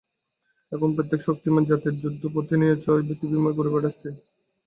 এখন প্রত্যেক শক্তিমান জাতির যুদ্ধপোতনিচয় পৃথিবীময় ঘুরে বেড়াচ্চে।